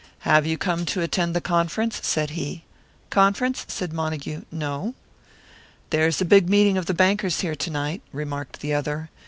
"Have you come to attend the conference?" said he. "Conference?" said Montague. "No." "There's a big meeting of the bankers here to night," remarked the other.